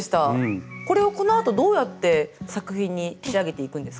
これをこのあとどうやって作品に仕上げていくんですか？